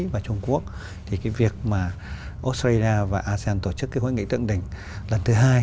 và trung quốc thì cái việc mà australia và asean tổ chức cái hội nghị thượng đỉnh lần thứ hai